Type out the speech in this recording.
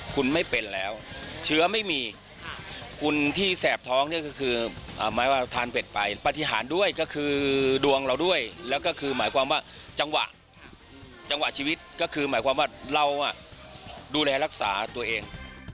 คุณไม่เป็นแล้วเชื้อไม่มีคุณที่แสบท้องเนี่ยก็คือหมายว่าเราทานเป็ดไปปฏิหารด้วยก็คือดวงเราด้วยแล้วก็คือหมายความว่าจังหวะจังหวะชีวิตก็คือหมายความว่าเราดูแลรักษาตัวเอง